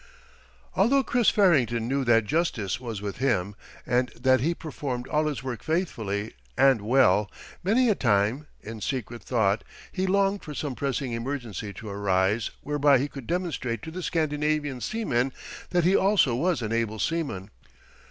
Although Chris Farrington knew that justice was with him, and that he performed all his work faithfully and well, many a time, in secret thought, he longed for some pressing emergency to arise whereby he could demonstrate to the Scandinavian seamen that he also was an able seaman.